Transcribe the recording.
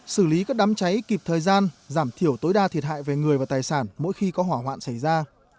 xử lý các đám cháy kịp thời gian giảm thiểu tối đa thiệt hại về người và tài sản mỗi khi có hỏa hoạn xảy ra